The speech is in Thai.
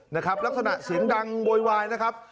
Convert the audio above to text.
นะครับลักษณะเสียงดังโวยวายนะครับ